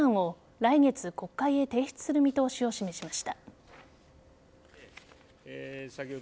来月、国会へ提示する見通しを示しました。